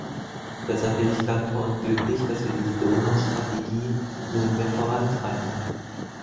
Deshalb bin ich dankbar und glücklich, dass wir diese Donaustrategie nunmehr vorantreiben.